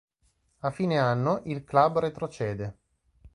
A fine anno il club retrocede.